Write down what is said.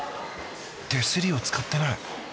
手すりを使ってない。